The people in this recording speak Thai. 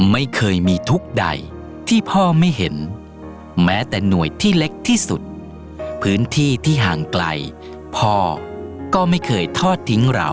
ไม่เคยมีทุกข์ใดที่พ่อไม่เห็นแม้แต่หน่วยที่เล็กที่สุดพื้นที่ที่ห่างไกลพ่อก็ไม่เคยทอดทิ้งเรา